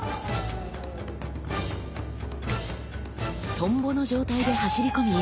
「蜻蛉」の状態で走り込み